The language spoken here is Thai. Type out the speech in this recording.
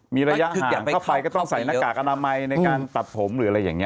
มีระยะห่างเข้าไปก็ต้องใส่หน้ากากอนามัยในการตัดผมหรืออะไรอย่างนี้